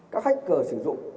các hacker sử dụng